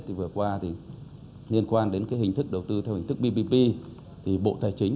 thì vừa qua thì liên quan đến cái hình thức đầu tư theo hình thức ppp thì bộ tài chính